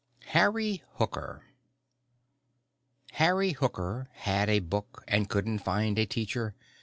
HARRY HOOKER Harry Hooker had a book And couldn't find a teacher.